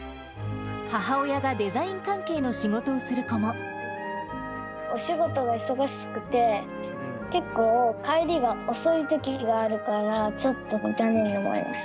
母親がデザイン関係の仕事をお仕事が忙しくて、結構、帰りが遅いときがあるから、ちょっと残念に思います。